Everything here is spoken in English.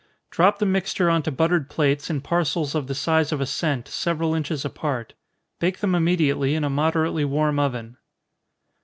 Drop the mixture on to buttered plates, in parcels of the size of a cent, several inches apart. Bake them immediately in a moderately warm oven.